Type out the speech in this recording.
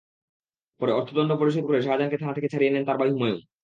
পরে অর্থদণ্ড পরিশোধ করে শাহজাহানকে থানা থেকে ছাড়িয়ে নেন তাঁর ভাই হুমায়ুন।